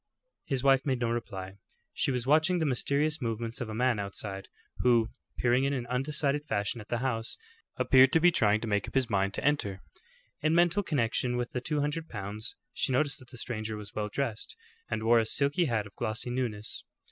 His wife made no reply. She was watching the mysterious movements of a man outside, who, peering in an undecided fashion at the house, appeared to be trying to make up his mind to enter. In mental connection with the two hundred pounds, she noticed that the stranger was well dressed, and wore a silk hat of glossy newness.